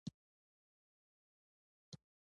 نور خلک تښتیدلي وو او سید یوازې پاتې شو.